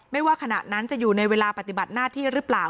ว่าขณะนั้นจะอยู่ในเวลาปฏิบัติหน้าที่หรือเปล่า